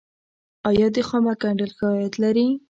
آیا د خامک ګنډل ښه عاید لري؟